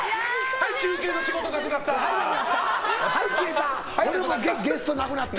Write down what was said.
はい、中継の仕事なくなった。